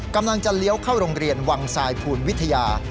กำลังจะเลี้ยวเข้าโรงเรียนวังทรายภูลวิทยา